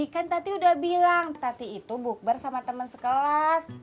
kan tadi udah bilang tadi itu bukber sama temen sekelas